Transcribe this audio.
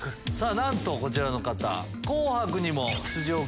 なんとこちらの方。